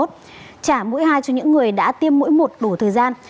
trả mũi hai cho những người đã tiêm mỗi một đủ thời gian